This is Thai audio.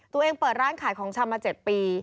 ตัวเองเปิดร้านขายของชำมา๗ปี